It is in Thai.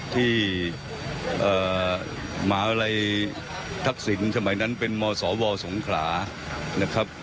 หมาลัยทักษิณสมัยนั้นเป็นมศวสงขลานะครับ